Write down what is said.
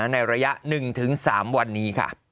ในระยะ๑๓วันนี้ค่ะ